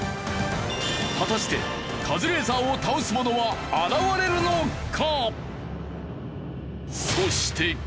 果たしてカズレーザーを倒す者は現れるのか！？